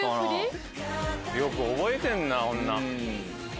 よく覚えてるな。